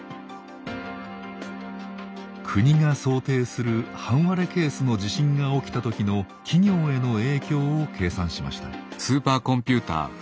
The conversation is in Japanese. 国が想定する半割れケースの地震が起きた時の企業への影響を計算しました。